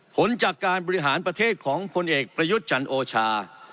ผลจากการบริหารประเทศของพลเอกประยุทธ์จันโอชา